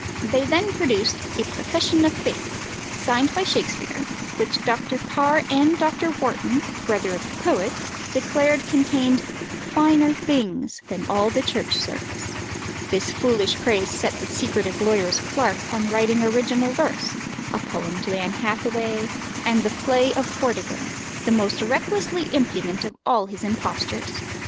They then produced a "Profession of Faith," signed by Shakspere, which Dr. Parr and Dr. Warton (brother of the poet) declared contained "finer things" than all the Church Service. This foolish praise set the secretive lawyer's clerk on writing original verse, a poem to Anne Hathaway, and the play of "Vortigern," the most recklessly impudent of all his impostures.